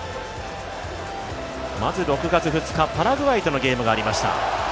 まず６月２日、パラグアイとのゲームがありました。